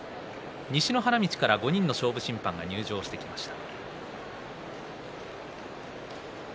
西の花道から５人の勝負審判が入場してきました。